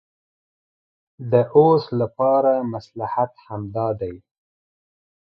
د اوس لپاره مصلحت همدا دی.